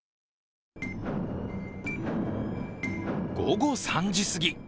午後３時すぎ。